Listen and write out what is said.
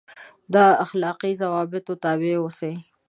دا اخلاقي ضوابطو تابع اوسي.